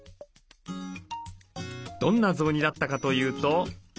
どんな雑煮だったかというと。